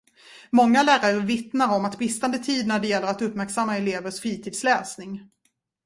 Många lärare vittnar om bristande tid när det gäller att uppmärksamma elevers fritidsläsning.